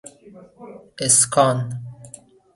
اسکان